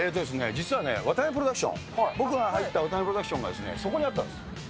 実はね、渡辺プロダクション、僕が入った渡辺プロダクションがそこにあったんですよ。